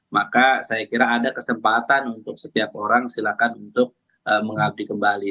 maka saya kira ada kesempatan untuk setiap orang silakan untuk mengabdi kembali